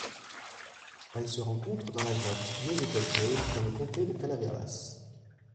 Elle se rencontre dans la grotte Music Hall Cave dans le comté de Calaveras.